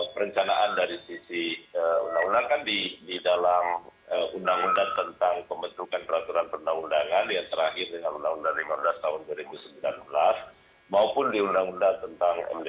perencanaan dari sisi undang undang kan di dalam undang undang tentang pembentukan peraturan perundang undangan yang terakhir dengan undang undang lima belas tahun dua ribu sembilan belas maupun di undang undang tentang md tiga